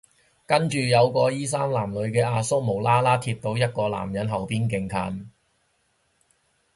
跟住有個衣衫襤褸嘅阿叔無啦啦貼到一個男人後面勁近